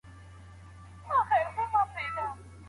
ولي مدام هڅاند د لایق کس په پرتله ژر بریالی کېږي؟